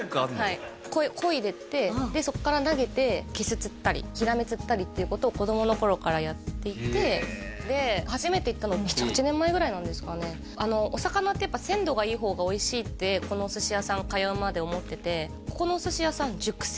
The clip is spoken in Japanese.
はいこいでってでそこから投げてキス釣ったりヒラメ釣ったりっていうことを子供の頃からやっていてお魚ってやっぱ鮮度がいい方がおいしいってこのお寿司屋さん通うまで思っててここのお寿司屋さん